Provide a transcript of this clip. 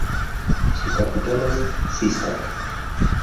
Su capital es Sisak.